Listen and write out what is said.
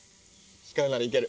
光るならいける。